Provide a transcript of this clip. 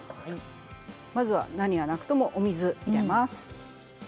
まずは何はなくともお水を入れます。